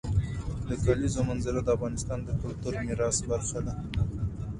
د کلیزو منظره د افغانستان د کلتوري میراث برخه ده.